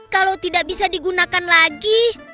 kalau tidak bisa digunakan lagi